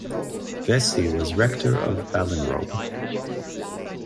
Vesey was Rector of Ballinrobe.